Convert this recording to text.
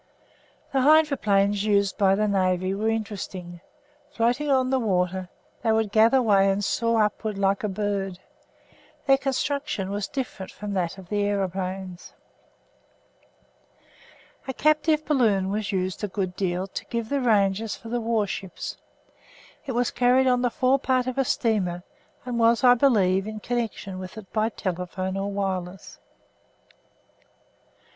The hydroplanes used by the Navy were interesting. Floating on the water, they would gather way and soar upwards like a bird. Their construction was different from that of the aeroplanes. A captive balloon was used a good deal to give the ranges for the warships. It was carried on the forepart of a steamer and was, I believe, in connection with it by telephone or wireless.